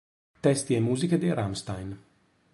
Testi e musiche dei Rammstein